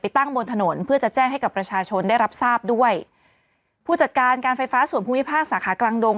ตั้งบนถนนเพื่อจะแจ้งให้กับประชาชนได้รับทราบด้วยผู้จัดการการไฟฟ้าส่วนภูมิภาคสาขากลางดง